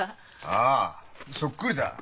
ああそっくりだ。